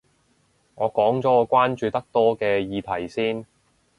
我講咗我關注得多嘅議題先